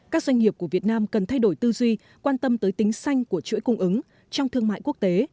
các doanh nghiệp của việt nam cần thay đổi tư duy quan tâm tới tính xanh của chuỗi cung ứng trong thương mại quốc tế